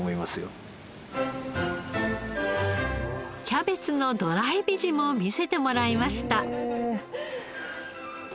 キャベツのドライベジも見せてもらいました。